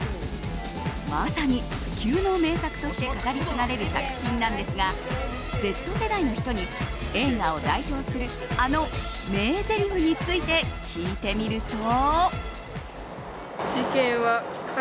まさに不朽の名作として語り継がれる作品なんですがＺ世代の人に、映画を代表するあの名ぜりふについて聞いてみると。